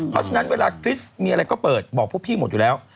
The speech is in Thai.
เพราะฉะนั้นเวลาคริสต์มีอะไรก็เปิดบอกพวกพี่หมดอยู่แล้ว